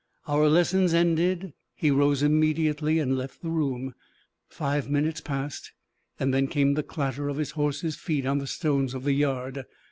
Our lessons ended, he rose immediately and left the room. Five minutes passed, and then came the clatter of his horse's feet on the stones of the yard.